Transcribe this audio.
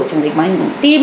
tràng dịch máng tim